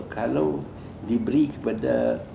kalau diberi kepada